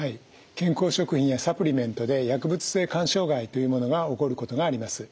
健康食品やサプリメントで薬物性肝障害というものが起こることがあります。